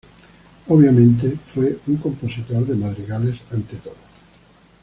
Obviamente, fue un compositor de madrigales ante todo.